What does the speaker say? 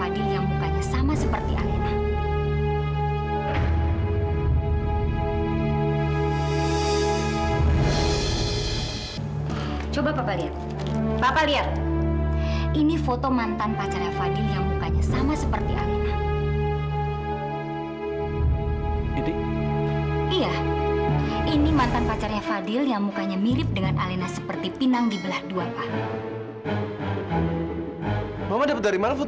begitu juga dengan alina